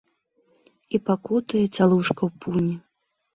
І пакутуе цялушка ў пуні.